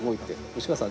吉川さん